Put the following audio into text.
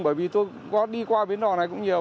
bởi vì tôi đi qua bến đỏ này cũng nhiều